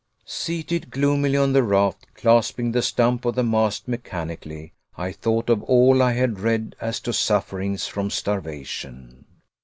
Seated gloomily on the raft, clasping the stump of the mast mechanically, I thought of all I had read as to sufferings from starvation.